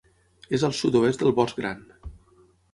És al sud-oest del Bosc Gran.